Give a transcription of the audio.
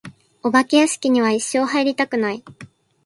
お化け屋敷には一生入りたくない。